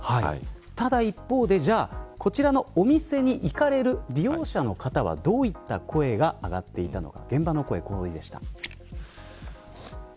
ただ一方でこちらのお店に行かれる利用者の方はどういった声が上がっていたのか。